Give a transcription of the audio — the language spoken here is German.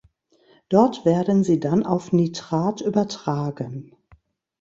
Dort werden sie dann auf Nitrat übertragen.